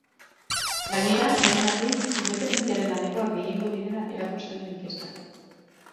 Gainera, lehen aldiz, independentziaren aldekoak gehiengo direla erakusten du inkestak.